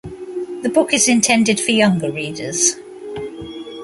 The book is intended for younger readers.